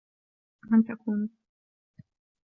من تكونيِِ ؟